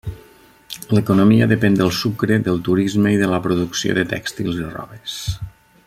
L'economia depèn del sucre, del turisme i de la producció de tèxtils i robes.